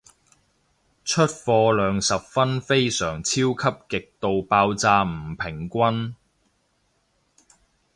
出貨量十分非常超級極度爆炸唔平均